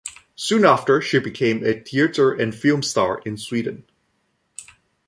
Soon after, she became a theater and film star in Sweden.